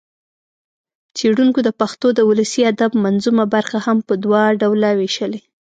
څېړنکو د پښتو د ولسي ادب منظومه برخه هم په دوه ډوله وېشلې